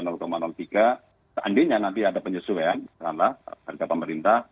karena seandainya nanti ada penyesuaian seandainya pemerintah